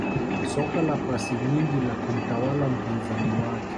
Soka la pasi nyingi la kumtawala mpinzani wake